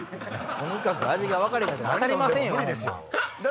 とにかく味が分からへんやったら当たりませんよ。